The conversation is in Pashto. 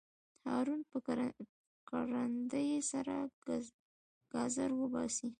هارون په کرندي سره ګازر وباسي.